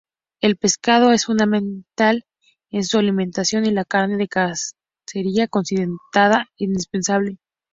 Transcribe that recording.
El pescado es fundamental en su alimentación y la carne de cacería considerada indispensable.